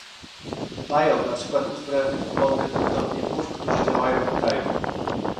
Mają na przykład uzbrojonych w bomby buntowników, którzy działają w kraju